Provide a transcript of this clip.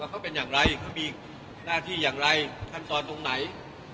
ว่าเพราะเป็นอย่างไรก็มีหน้าที่อย่างไหนถัดตอนตรงไหน